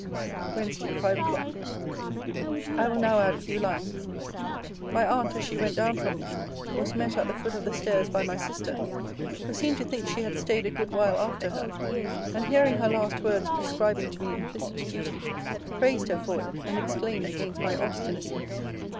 WEDNESDAY, FIVE O'CLOCK I will now add a few lines My aunt, as she went down from me, was met at the foot of the stairs by my sister, who seemed to think she had staid a good while after her; and hearing her last words prescribing to me implicit duty, praised her for it, and exclaimed against my obstinacy.